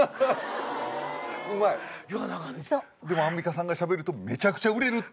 でもアンミカさんがしゃべるとめちゃくちゃ売れるって。